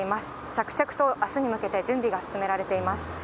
着々とあすに向けて準備が進められています。